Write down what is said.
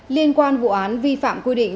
liên quan vụ án vi phạm quy định